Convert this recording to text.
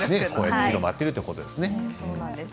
強まっているということですよね。